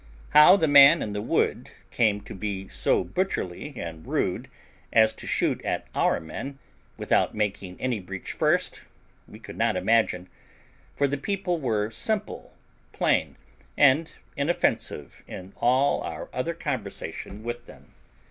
How the man in the wood came to be so butcherly and rude as to shoot at our men, without making any breach first, we could not imagine; for the people were simple, plain, and inoffensive in all our other conversation with them.